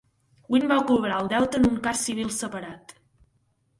Wynn va cobrar el deute en un cas civil separat.